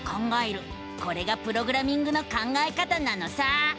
これがプログラミングの考え方なのさ！